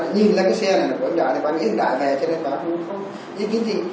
nhìn sang xe của anh đại thì bà nghĩ anh đại về nên bà hôn không